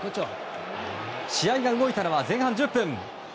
試合が動いたのが前半１０分。